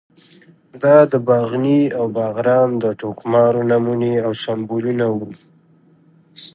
دا د باغني او باغران د ټوکمارو نمونې او سمبولونه وو.